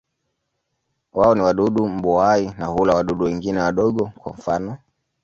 Wao ni wadudu mbuai na hula wadudu wengine wadogo, kwa mfano.